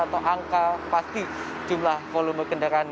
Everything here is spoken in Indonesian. atau angka pasti jumlah volume kendaraan